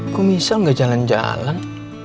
kok misa gak jalan jalan